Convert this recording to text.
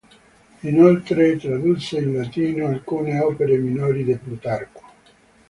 Inoltre tradusse in latino alcune opere minori di Plutarco.